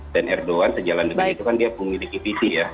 dan erdogan sejalan depan itu kan dia memiliki visi ya